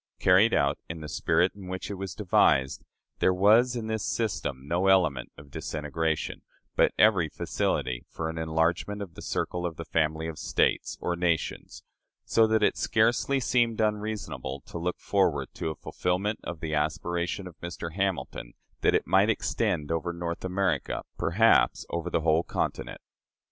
Carried out in the spirit in which it was devised, there was in this system no element of disintegration, but every facility for an enlargement of the circle of the family of States (or nations), so that it scarcely seemed unreasonable to look forward to a fulfillment of the aspiration of Mr. Hamilton, that it might extend over North America, perhaps over the whole continent.